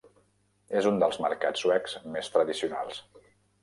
És un dels mercats suecs més tradicionals.